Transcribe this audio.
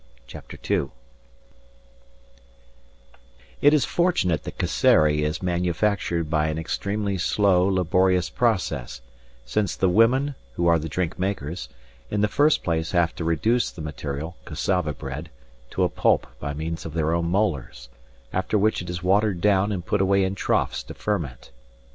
CHAPTER II It is fortunate that casserie is manufactured by an extremely slow, laborious process, since the women, who are the drink makers, in the first place have to reduce the material (cassava bread) to a pulp by means of their own molars, after which it is watered down and put away in troughs to ferment.